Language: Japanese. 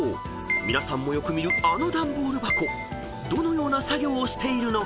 ［皆さんもよく見るあの段ボール箱どのような作業をしているのか］